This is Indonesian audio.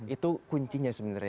itu kuncinya sebenarnya